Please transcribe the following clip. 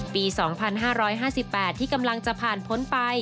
ปี๒๕๕๘ที่กำลังจะผ่านพ้นไป